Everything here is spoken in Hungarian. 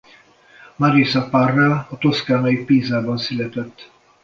Marisa Parra a toszkánai Pisában született.